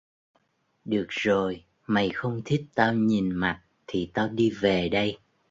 Được rồi mày không thích tao nhìn mặt thì tao đi về đây